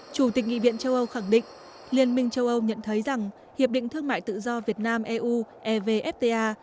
chủ tịch nghị viện châu âu khẳng định liên minh châu âu nhận thấy rằng hiệp định thương mại tự do việt nam eu evfta